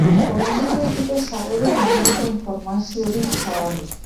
Oraindik ez dute sarreren inguruko informaziorik zabaldu.